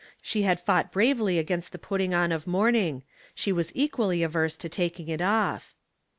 She had fought bravely against the put ting on of mourning ; she was equally averse to taking it off.